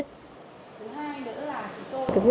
thứ hai nữa là chúng tôi